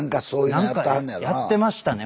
何かやってましたね